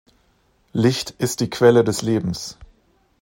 Licht ist die Quelle des Lebens.